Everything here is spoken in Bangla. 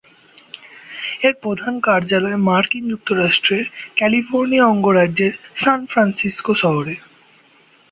এর প্রধান কার্যালয় মার্কিন যুক্তরাষ্ট্রের ক্যালিফোর্নিয়া অঙ্গরাজ্যের সান ফ্রান্সিস্কো শহরে।